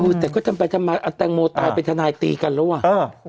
อุ้ยแต่ก็จำเป็นทางโมตายเป็นทนายตีกันแล้วว่ะ